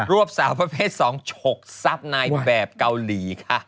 วบสาวประเภท๒ฉกทรัพย์ในแบบเกาหลีค่ะ